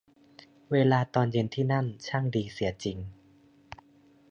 เวลาตอนเย็นที่นั่นช่างดีเสียจริง